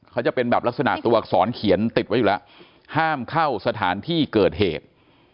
เขาจะเป็นแบบลักษณะตัวอักษรเขียนติดไว้อยู่แล้วห้ามเข้าสถานที่เกิดเหตุ